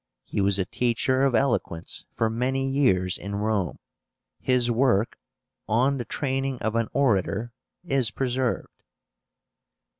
He was a teacher of eloquence for many years in Rome. His work On the Training of an Orator, is preserved.